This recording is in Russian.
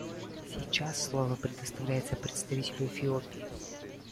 Сейчас слово предоставляется представителю Эфиопии.